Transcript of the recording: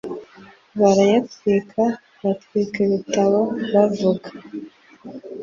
barayatwika, batwika ibitabo bavuga